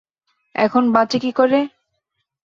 এখন বাঁচি কী করে!